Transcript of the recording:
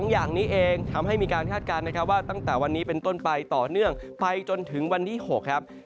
อย่างนี้เองทำให้มีการคาดการณ์นะครับว่าตั้งแต่วันนี้เป็นต้นไปต่อเนื่องไปจนถึงวันที่๖ครับ